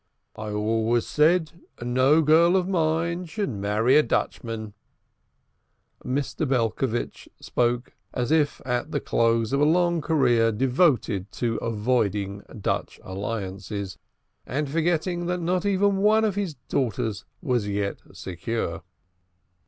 "I always said no girl of mine should marry a Dutchman." Mr. Belcovitch spoke as if at the close of a long career devoted to avoiding Dutch alliances, forgetting that not even one of his daughters was yet secure.